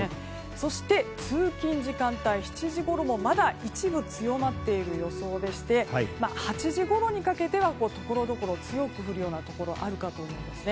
そして、通勤時間帯７時ごろもまだ一部強まっている予想で８時ごろにかけてはところどころ強く降るようなところがあるかと思うんですね。